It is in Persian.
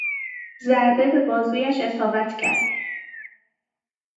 ضربه به بازویش اصابت کرد.